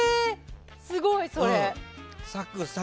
すごい！それ。